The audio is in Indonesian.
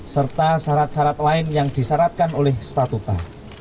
serta syarat syarat lain yang disyaratkan oleh statuta